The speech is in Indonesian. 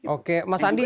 oke mas andi